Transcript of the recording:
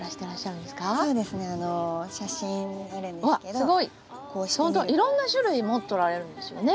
ほんといろんな種類持っておられるんですよね。